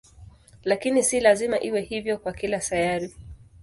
Lakini si lazima iwe hivyo kwa kila sayari.